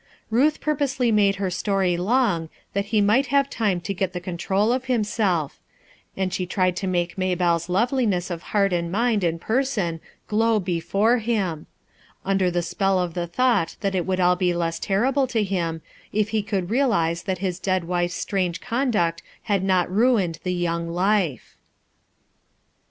Iluth purposely made her story long that he might have time to get the control of himself and she tried to make Maybclle's loveliness of heart and mind and person glow before him under the spell of the thought that it would all be less terrible to him, if he could realize that his dead wife's strange conduct had not ruined the young life.